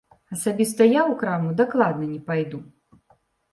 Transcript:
Асабіста я ў краму дакладна не пайду.